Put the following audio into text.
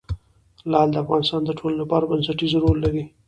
لعل د افغانستان د ټولنې لپاره بنسټيز رول لري.